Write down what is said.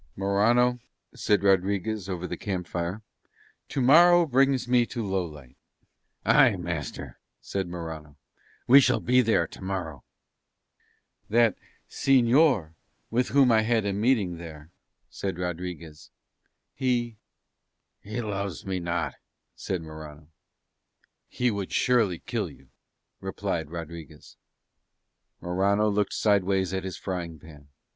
"Morano," said Rodriguez over the camp fire, "tomorrow brings me to Lowlight." "Aye, master," said Morano, "we shall be there tomorrow." "That señor with whom I had a meeting there," said Rodriguez, "he ..." "He loves me not," said Morano. "He would surely kill you," replied Rodriguez. Morano looked sideways at his frying pan.